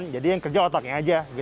jadi yang kerja otaknya saja